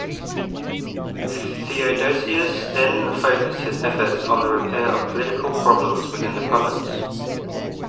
Theodosius then focused his efforts on the repair of political problems within the province.